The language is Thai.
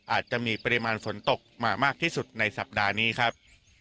อาจจะมีปริมาณฝนตกมามากที่สุดในสัปดาห์นี้ครับ